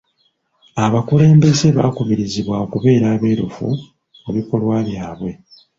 Abakulembeze bakubirizibwa okubeera abeerufu mu bikolwa byabwe.